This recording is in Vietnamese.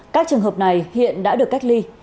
các trường hợp này hiện đã được cách ly